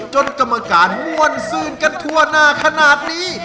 จนกรรมการม่วนซื่นกันทั่วหน้าขนาดนี้